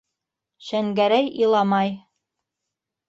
Шәнгәрәй иламай.